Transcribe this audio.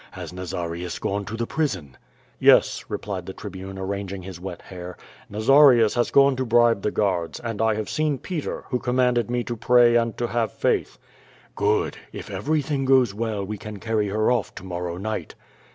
Has Nazarius gone to the prison?" "Yes," replied the Tribune, arranging his wet hair. "Naz arius has gone to bribe the guards, and 1 have seen Peter, who commanded me to pray and to have faith." "Good. If ever3'^thing goes well we can carry her off to morrow night."